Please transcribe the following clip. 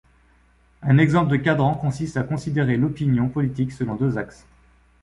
Un exemple de quadrant consiste à considérer l'opinion politique selon deux axes.